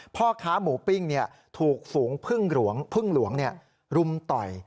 พ่อค้าหมูปิ้งถูกฝูงพึ่งหลวงพึ่งหลวงรุมต่อย